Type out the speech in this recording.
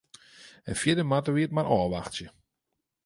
En fierder moatte wy it mar ôfwachtsje.